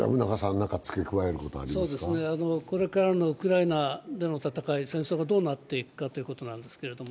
これからのウクライナでの戦い、戦争がどうなっていくかということなんですけど。